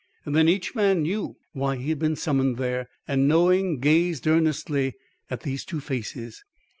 Then, each man knew why he had been summoned there, and knowing, gazed earnestly at these two faces.